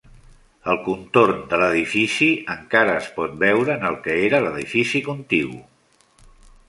El contorn de l'edifici encara es pot veure en el que era l'edifici contigu.